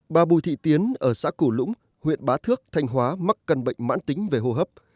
bà bùi thị tiến ở xã cửu lũng huyện bá thước thanh hóa mắc căn bệnh mãn tính về hô hấp